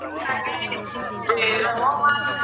بس همداسي یک تنها وو اوسېدلی